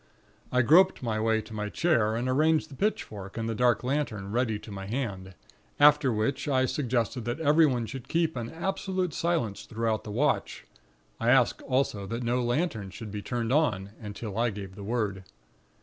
"I groped my way to my chair, and arranged the pitchfork and the dark lantern ready to my hand; after which I suggested that everyone should keep an absolute silence throughout the watch. I asked, also, that no lantern should be turned on, until I gave the word.